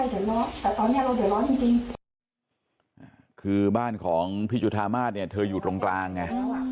แต่ตอนนี้เราเดือดร้อนจริงจริงคือบ้านของพี่จุธามาศเนี่ยเธออยู่ตรงกลางไง